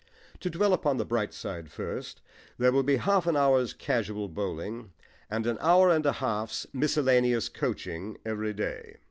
To dwell upon the bright side first, there will be half an hour's casual bowling, and an hour and a half's miscellaneous coaching, every day.